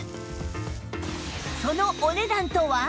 そのお値段とは？